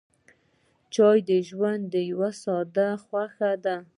چای د ژوند یوه ساده خوښي ده.